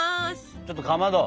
ちょっとかまど。は？